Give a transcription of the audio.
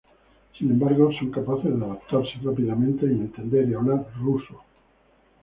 Sin embargo, son capaces de adaptarse rápidamente y entender y hablar ruso.